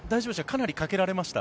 かなりかけられました？